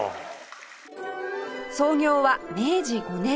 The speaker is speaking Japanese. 創業は明治５年